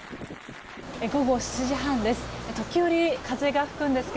午後７時半です。